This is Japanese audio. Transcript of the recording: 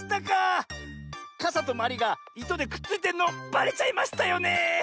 かさとまりがいとでくっついてるのばれちゃいましたよねえ。